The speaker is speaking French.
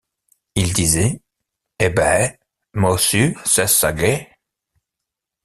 Il disait: — Eh bé! moussu, sès sagé?